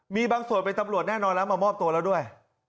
มีบางส่วนเป็นตำรวจแน่นอนแล้วมามอบตัวแล้วด้วย